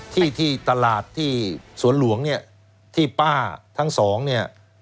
ที่ที่ตลาดที่สวนหลวงเนี่ยที่ป้าทั้งสองเนี่ย